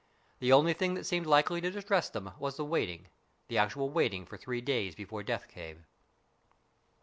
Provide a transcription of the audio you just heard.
The only thing that seemed likely to distress them was the waiting, the actual waiting for three days before death came.